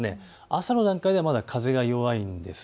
朝の段階ではまだ風が弱いんです。